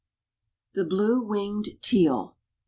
] THE BLUE WINGED TEAL.